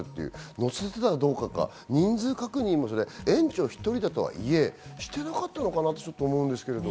乗せてたかどうか、人数確認も園長１人だとはいえ、してなかったのかなって思うんですけど。